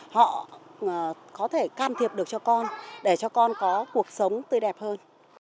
họ có thể can thiệp được cho con để cho con có cuộc sống tươi đẹp hơn